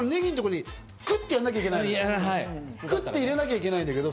最後のネギのところに、クッて入れなきゃいけないんだけど、